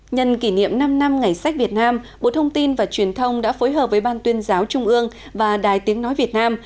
nhân kỷ niệm năm năm ngày sách việt nam bộ thông tin và truyền thông đã phối hợp với ban tuyên giáo trung ương và đài tiếng nói việt nam